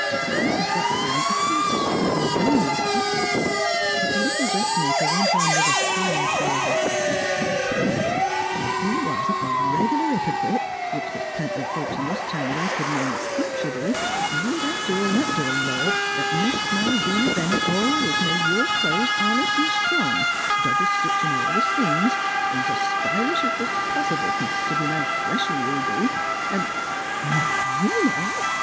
Mrs. Buckthorn appeared to struggle vainly for utterance; but the little dressmaker went on with a fine show of recklessness :" Ef you wa'n't a reg'lar hyp'crit which th's plenty o' folks in this town 'at I could name as thinks you be you'd hev t' own up t' th' Lord 'at Malvina Bennett always made your clo'es honest an' strong, double stitchin' all th' seams, 'n' 's stylish 's was pos'ble, considerin' how fleshy you be; 'n' "" Malvina